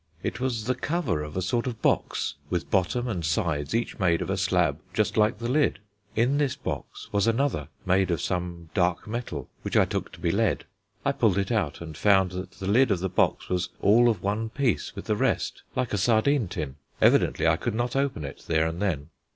It was the cover of a sort of box with bottom and sides each made of a slab just like the lid. In this box was another, made of some dark metal, which I took to be lead. I pulled it out and found that the lid of the box was all of one piece with the rest, like a sardine tin. Evidently I could not open it there and then.